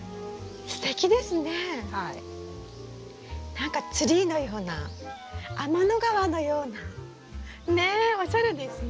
何かツリーのような天の川のような。ねえおしゃれですね。